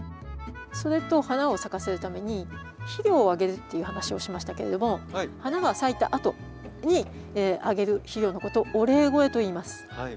それと花を咲かせるために肥料をあげるっていう話をしましたけれども花が咲いたあとにあげる肥料のことをお礼肥といいます。